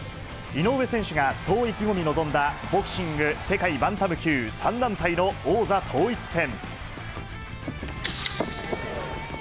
井上選手がそう意気込み臨んだ、ボクシング世界バンタム級３団体の王座統一戦。